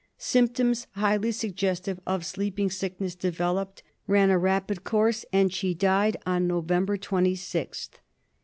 Symptoms highly suggestive of Sleeping Sickness de veloped, ran a rapid course, and she died on November 26th.